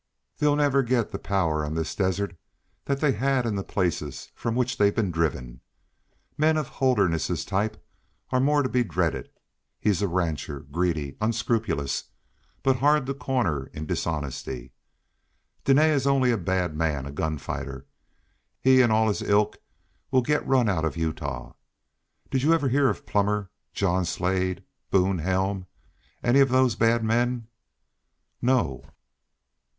They'll never get the power on this desert that they had in the places from which they've been driven. Men of the Holderness type are more to be dreaded. He's a rancher, greedy, unscrupulous, but hard to corner in dishonesty. Dene is only a bad man, a gun fighter. He and all his ilk will get run out of Utah. Did you ever hear of Plummer, John Slade, Boone Helm, any of those bad men?" "No."